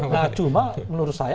nah cuma menurut saya